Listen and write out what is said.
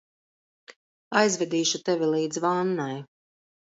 Aizvedīšu tevi līdz vannai.